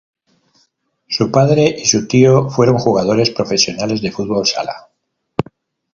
Su padre y su tío fueron jugadores profesionales de fútbol sala.